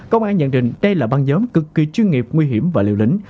công an nhận định đây là băng nhóm cực kỳ chuyên nghiệp nguy hiểm và liều lĩnh